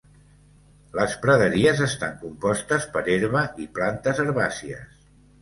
Les praderies estan compostes per herba i plantes herbàcies.